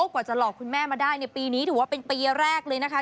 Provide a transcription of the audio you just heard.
กว่าจะหลอกคุณแม่มาได้ในปีนี้ถือว่าเป็นปีแรกเลยนะคะ